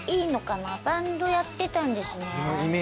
バンドやってたんですね。